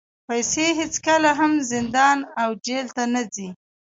پیسې هېڅکله هم زندان او جېل ته نه ځي.